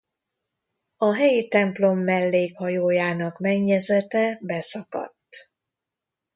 A helyi templom mellékhajójának mennyezete beszakadt.